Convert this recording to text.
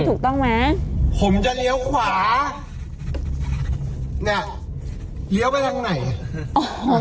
ถูกต้องไหมผมจะเลี้ยวขวาเนี้ยเลี้ยวไปทางไหนอ่ะ